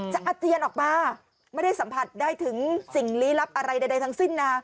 อาเจียนออกมาไม่ได้สัมผัสได้ถึงสิ่งลี้ลับอะไรใดทั้งสิ้นนะ